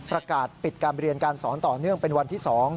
ประกาศปิดการเรียนการสอนต่อเนื่องเป็นวันที่๒